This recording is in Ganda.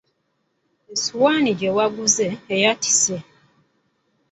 Essowaani gye waguze eyatise.